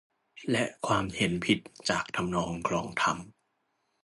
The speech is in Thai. และความเห็นผิดจากทำนองคลองธรรม